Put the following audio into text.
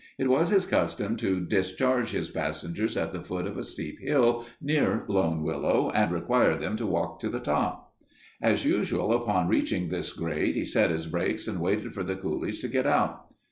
It was his custom to discharge his passengers at the foot of a steep hill near Lone Willow and require them to walk to the top. As usual, upon reaching this grade he set his brakes and waited for the coolies to get out.